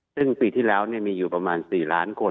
ซึ่งปีที่แล้วมีอยู่ประมาณ๔ล้านคน